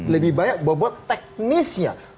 lebih banyak bobot teknisnya